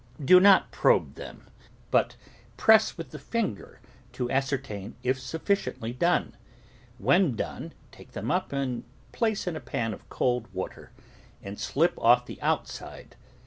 Do not probe them, but press with the finger to ascertain if sufficiently done. When done, take them up and place in a pan of cold water, and slip off the outside.